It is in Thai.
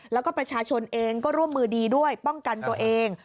แล้วก็ประชาชนเองก็ร่วมมือดีด้วยป้องกันตัวเอง